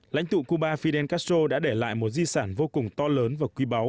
lãnh tụ cuba fidel castro đã để lại một di sản vô cùng to lớn và quý báu